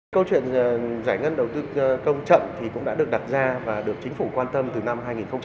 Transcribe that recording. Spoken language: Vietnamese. câu chuyện giải ngân đầu tư công chậm thì cũng đã được đặt ra và được chính phủ quan tâm từ năm hai nghìn một mươi